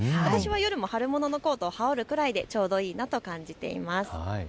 私も夜、春物のコートを羽織るくらいでちょうどいいと感じています。